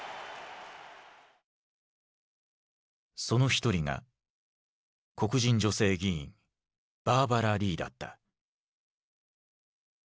その一人が黒人女性議員バーバラ・リーだった。